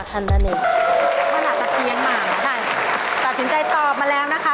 ก็จัดสินใจตอบมาแล้วนะคะ